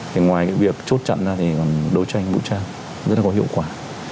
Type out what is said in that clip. thì ngoài cái việc chốt chặn ra thì còn đấu tranh vũ trang rất là có hiệu quả